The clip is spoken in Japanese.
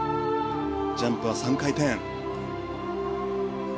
ジャンプは３回転。